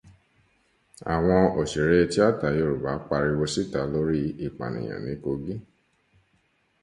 Àwọn òṣèré tíátà Yorùbá pariwo síta lórí ìpànìyan ní Kogí.